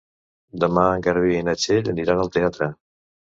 Demà en Garbí i na Txell aniran al teatre.